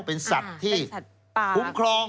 เป็นสัตว์ที่คุ้มครอง